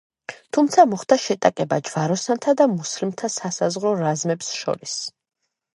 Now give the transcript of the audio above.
თუმცა მოხდა შეტაკება ჯვაროსანთა და მუსლიმთა სადაზვერვო რაზმებს შორის.